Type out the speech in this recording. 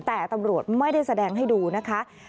แต่ตำรวจไม่ได้แสดงให้ดูนะคะ